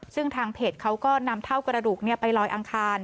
ซึ่งทางเพจเขาก็นำเท่ากระดูกไปลอยอังคาร